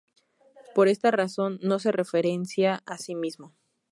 Por esta razón no se referencia a sí mismo.